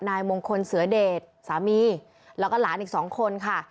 นายมงคลเศรษฐ์เสียเดชสามีแล้วก็หลานอีก๒คนค่ะ